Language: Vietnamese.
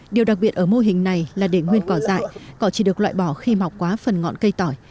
điều đặc biệt ở mô hình này là để nguyên cỏ dại cỏ chỉ được loại bỏ khi mọc quá phần ngọn cây tỏi